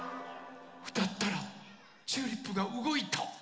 うたったらチューリップがうごいた！